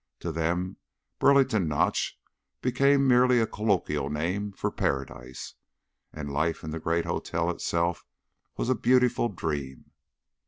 To them Burlington Notch became merely a colloquial name for Paradise, and life in the great hotel itself a beautiful dream.